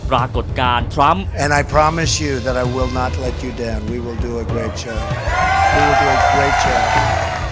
เรากดการทรัมพ์